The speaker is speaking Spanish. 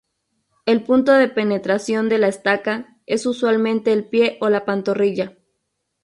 El punto de penetración de la estaca, es usualmente el pie o la pantorrilla.